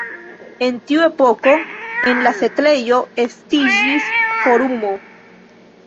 En tiu epoko en la setlejo estiĝis forumo.